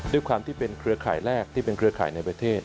ด้วยความที่เป็นเครือข่ายแรกที่เป็นเครือข่ายในประเทศ